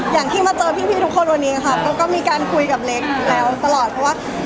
อย่างที่มาเจอพี่ทุกคนวันนี้ค่ะก็มีการคุยกับเล็กแล้วตลอดเพราะว่า